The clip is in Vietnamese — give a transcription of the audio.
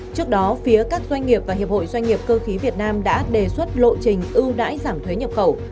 trước đó phía các doanh nghiệp và hiệp hội doanh nghiệp cơ khí việt nam đã đề xuất lộ trình ưu đãi giảm thuế nhập khẩu